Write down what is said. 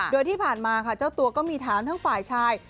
โดยที่ผ่านมาค่ะเจ้าตัวก็มีถามทั้งฝ่ายชาย